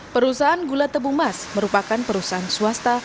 perusahaan gula tebumas merupakan perusahaan swasta